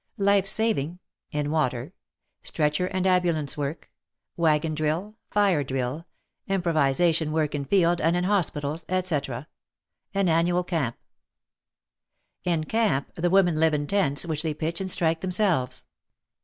Life saving (in water). Stretcher and Ambul ance work, Waggon drill. Fire drill, Improv ization work in field and in hospitals, etc. An annual Camp. In camp the women live in tents, which they pitch and strike themselves.